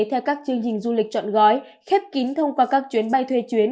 theo các chương trình du lịch chọn gói khép kín thông qua các chuyến bay thuê chuyến